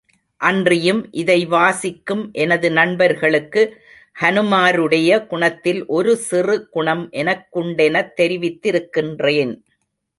அன்றியும், இதை வாசிக்கும் எனது நண்பர்களுக்கு ஹனுமாருடைய குணத்தில் ஒரு சிறு குணம் எனக்குண்டெனத் தெரிவித்திருக்கின்றேன்!